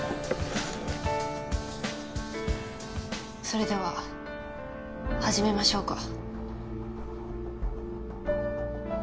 それでは始めましょうか。